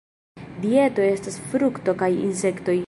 Dieto estas frukto kaj insektoj.